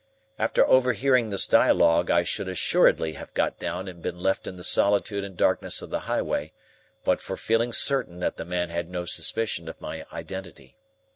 After overhearing this dialogue, I should assuredly have got down and been left in the solitude and darkness of the highway, but for feeling certain that the man had no suspicion of my identity.